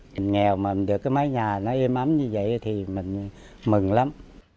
mình nghèo mà được cái mái nhà nó im ấm như vậy thì mình mừng lắm